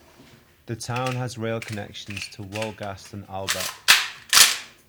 The town has rail connections to Wolgast and Ahlbeck.